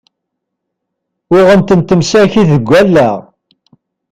Uɣen-tent msakit deg allaɣ!